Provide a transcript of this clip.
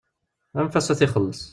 Anef-as ad t-ixelleṣ.